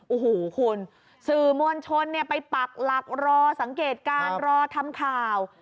อูหูคุณสื่อมวลชนเนี้ยไปปักหลักรอสังเกตการรอทำข่าว